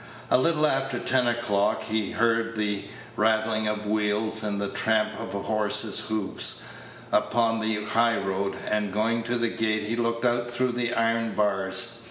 A little after ten o'clock he heard the rattling of wheels and the tramp of horses' hoofs upon the high road, and, going to the gate, he looked out through the iron bars.